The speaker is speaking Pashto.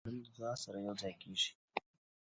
خوړل د دعا سره یوځای کېږي